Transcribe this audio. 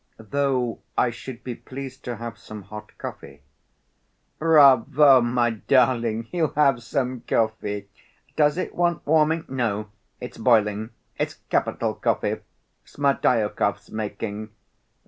"Though I should be pleased to have some hot coffee." "Bravo, my darling! He'll have some coffee. Does it want warming? No, it's boiling. It's capital coffee: Smerdyakov's making.